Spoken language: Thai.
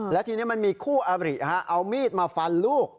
และทีนี้มันมีคู่อบริเอามีดมาฟันลูก